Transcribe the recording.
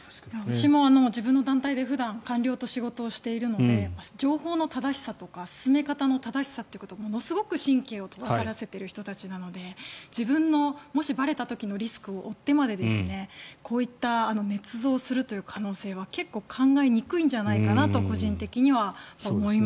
私も自分の団体で普段、官僚と仕事をしているので情報の正しさとか進め方の正しさということにものすごく神経をとがらせている人たちなので自分の、もしばれた時のリスクを負ってまでこういったねつ造するという可能性は結構考えにくいんじゃないかなと個人的には思います。